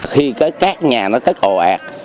khi các nhà nó tất hồ ạt